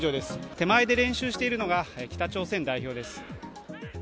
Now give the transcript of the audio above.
手前で練習しているのが北朝鮮代表です。